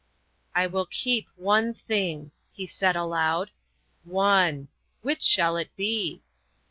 " I will keep one thing," he said, aloud, " one. Which shall it be?"